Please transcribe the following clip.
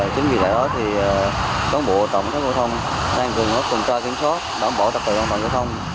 chính vì thế đó chống bộ cộng sát giao thông đang gần mất công tra kiểm soát đảm bảo đặc biệt an toàn giao thông